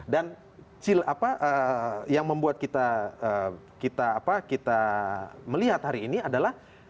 dan yang membuat kita melihat hari ini adalah